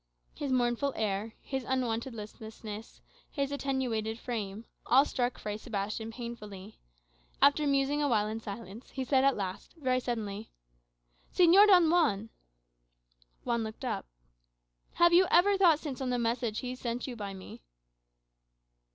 His mournful air, his unwonted listlessness, his attenuated frame all struck Fray Sebastian painfully. After musing a while in silence, he said at last, very suddenly, "Señor Don Juan!" Juan looked up. "Have you ever thought since on the message he sent you by me?"